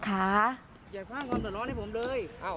อย่าพล่างความสนร้อนให้ผมเลย